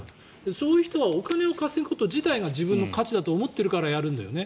そういう人はお金を稼ぐこと自体が自分の価値だと思っているからやるんだよね。